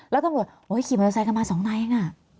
แล้วตำรวจขี่บริษัทกันมา๒นายเองอะ